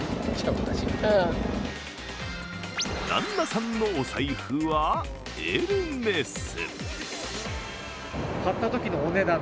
旦那さんのお財布はエルメス。